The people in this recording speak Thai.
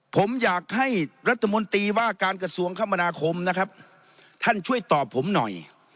ผมอยากให้รัฐมนตรีว่าการกระทรวงคมนาคมนะครับท่านช่วยตอบผมหน่อย